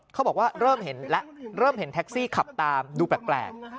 เขาบอกว่าเริ่มเห็นแล้วเริ่มเห็นแท็กซี่ขับตามดูแปลก